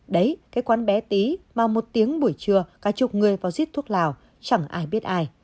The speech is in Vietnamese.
đấy cái quán bé tí mà một tiếng buổi trưa cả chục người vào giết thuốc lào chẳng ai biết ai